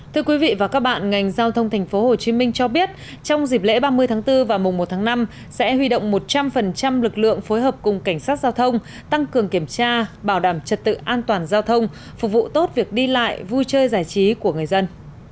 thưa quý vị và các bạn ngành giao thông tp hcm cho biết trong dịp lễ ba mươi tháng bốn và mùa một tháng năm sẽ huy động một trăm linh lực lượng phối hợp cùng cảnh sát giao thông tăng cường kiểm tra bảo đảm trật tự an toàn giao thông phục vụ tốt việc đi lại vui chơi giải trí của người dân